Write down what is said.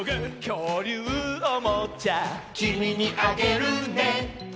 「きょうりゅうおもちゃ」「きみにあげるね」